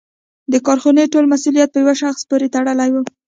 د کارخونې ټول مسوولیت په یوه شخص پورې تړلی و.